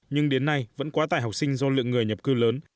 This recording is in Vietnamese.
nhưng đến nay vẫn quá tải học sinh do lượng người nhập cư lớn